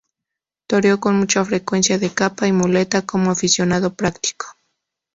Toreó con mucha frecuencia de capa y muleta como aficionado práctico.